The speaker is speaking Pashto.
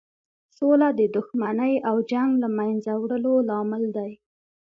سوله د دښمنۍ او جنګ له مینځه وړلو لامل دی.